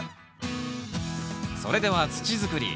それでは土づくり。